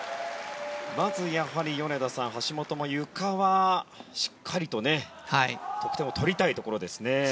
まずやはり米田さん、橋本もゆかはしっかりと得点を取りたいところですね。